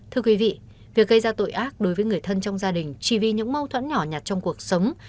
thưa quý vị việc gây ra tội ác đối với người thân trong gia đình chỉ vì những mâu thuẫn nhỏ nhặt trong cuộc sống